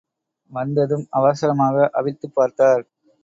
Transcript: வந்ததும் அவசரமாக அவிழ்த்துப் பார்த்தார்.